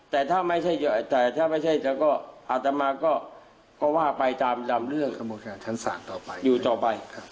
แต่ถ้าไม่ใช่แล้วก็อาธรรมาก็ว่าไปตามเรื่องอยู่ต่อไป